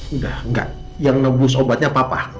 udah enggak yang nebus obatnya papa